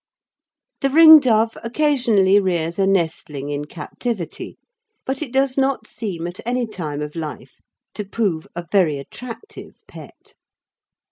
The ringdove occasionally rears a nestling in captivity, but it does not seem, at any time of life, to prove a very attractive pet.